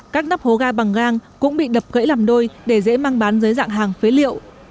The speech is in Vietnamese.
các nắp hố ga bằng gang cũng bị đập gãy làm đôi để dễ mang bán dưới dạng hàng phế liệu